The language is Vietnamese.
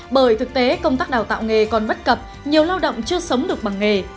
bởi thực tế công tác đào tạo nghề còn bất cập nhiều lao động chưa sống được bằng nghề